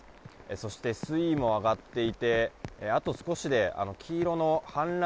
そして、水位も上がっていてあと少しで黄色の氾濫